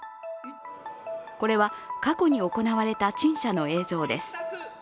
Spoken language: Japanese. これは過去に行われた陳謝の映像です。